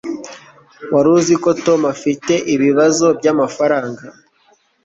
Wari uzi ko Tom afite ibibazo byamafaranga